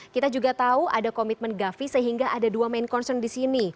kita juga tahu ada komitmen gavi sehingga ada dua main concern di sini